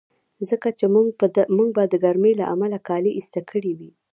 ځکه چې موږ به د ګرمۍ له امله کالي ایسته کړي وي.